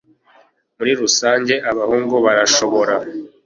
Muri rusange abahungu barashobora